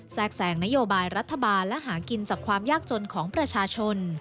แทรกแสงนโยบายรัฐบาลและหากินจากความยากจนของประชาชน